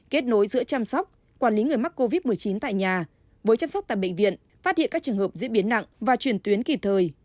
kết nối giữa chăm sóc quản lý người mắc covid một mươi chín tại nhà với chăm sóc tại bệnh viện phát hiện các trường hợp diễn biến nặng và chuyển tuyến kịp thời